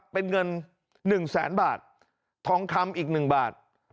เป็นเงิน๑แสนบาททองคำอีก๑บาท